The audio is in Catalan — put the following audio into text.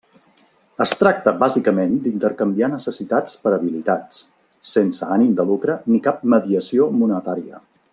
Es tracta bàsicament d'intercanviar necessitats per habilitats, sense ànim de lucre ni cap mediació monetària.